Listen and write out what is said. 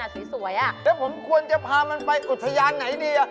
สวยแล้วผมควรจะพามันไปอุทยานไหนดี